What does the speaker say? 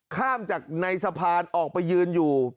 ข้ามจากในสะพานออกไปยืนอยู่